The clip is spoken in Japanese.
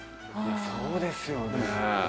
そうですよね。